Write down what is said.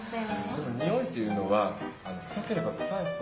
でもにおいというのはくさければくさいほど。